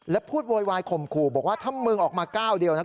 และพูดโวยวายข่มขู่บอกว่าถ้ามึงออกมาก้าวเดียวนะ